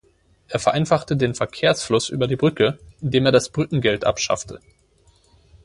Er vereinfachte den Verkehrsfluss über die Brücke, indem er das Brückengeld abschaffte.